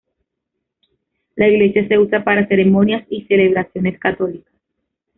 La iglesia se usa para ceremonias y celebraciones católicas.